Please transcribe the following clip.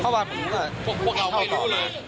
เพราะว่าผมก็เช่าต่อมา